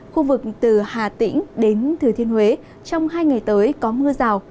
khu vực từ hà tĩnh đến thừa thiên huế trong hai ngày tới có mưa rào